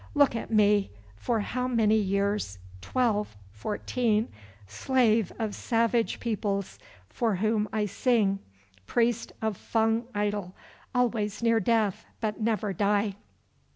Look at me! For how many years—twelve—fourteen, slave of savage peoples for whom I sing, priest of Fung idol, always near death but never die.